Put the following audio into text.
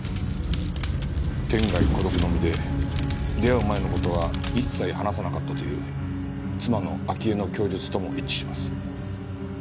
天涯孤独の身で出会う前の事は一切話さなかったという妻の秋江の供述とも一致します。